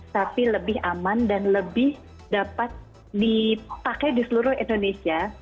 tapi lebih aman dan lebih dapat dipakai di seluruh indonesia